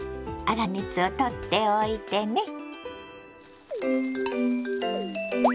粗熱を取っておいてね。